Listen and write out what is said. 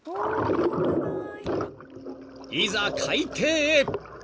［いざ海底へ］